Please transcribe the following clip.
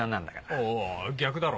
おいおい逆だろ。